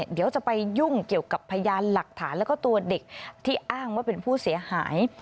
เดี๋ยวจะไปยุ่งเกี่ยวกับพยานหลักฐานแล้วก็ตัวเด็กที่อ้างว่าเป็นผู้เสียหาย